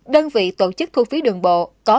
đơn vị tổ chức thu phí đường bộ